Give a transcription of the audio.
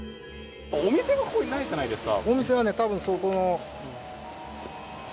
お店がここにないじゃないですか。